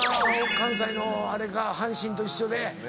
関西のあれか阪神と一緒で。